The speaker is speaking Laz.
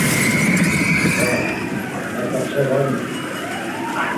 Var, ma kapça var minon.